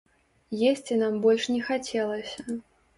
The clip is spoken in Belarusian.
Есці нам больш не хацелася.